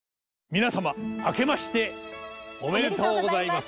皆様明けましておめでとうございます。